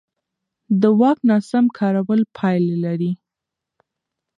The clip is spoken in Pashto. د واک ناسم کارول پایلې لري